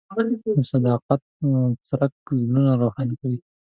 د صداقت څرک زړونه روښانه کوي.